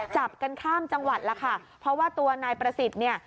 จับกันข้ามจังหวัดแล้วค่ะเพราะว่าตัวนายประสิทธิ์เนี่ย